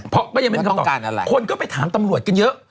ก็ยังเป็นคำตอบคนก็ไปถามตำรวจกันเยอะ